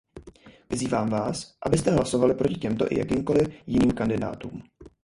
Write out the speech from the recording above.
Vyzývám vás, abyste hlasovali proti těmto i jakýmkoli jiným kandidátům.